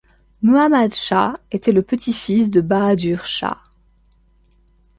Muhammad Shâh était le petit-fils de Bahadur Shah.